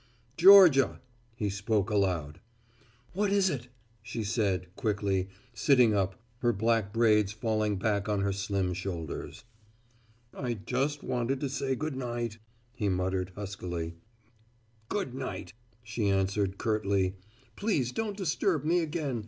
"Georgia!" he spoke aloud. "What is it!" she said, quickly, sitting up, her black braids falling back on her slim shoulders. "I just wanted to say good night," he muttered, huskily. "Good night," she answered, curtly. "Please don't disturb me again.